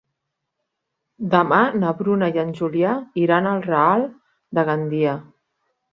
Demà na Bruna i en Julià iran al Real de Gandia.